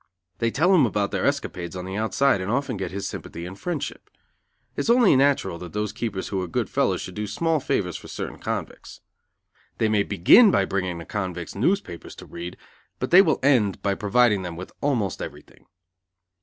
They tell him about their escapades on the outside and often get his sympathy and friendship. It is only natural that those keepers who are good fellows should do small favors for certain convicts. They may begin by bringing the convicts newspapers to read, but they will end by providing them with almost everything.